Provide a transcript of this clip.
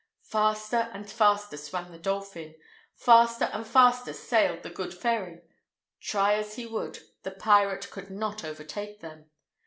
Faster and faster swam the dolphin; faster and faster sailed The Good Ferry. Try as he would, the pirate could not overtake them.